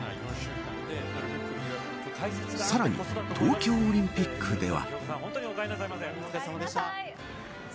さらに東京オリンピックでは。